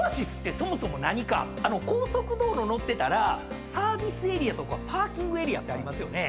高速道路乗ってたらサービスエリアとかパーキングエリアってありますよね。